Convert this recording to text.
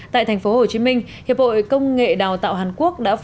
tại thành phố hồ chí minh hiệp hội công nghệ đào tạo hàn quốc